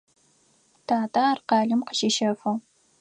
Татэ ар къалэм къыщищэфыгъ.